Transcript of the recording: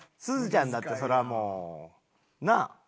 すずちゃんだってそらもう。なあ？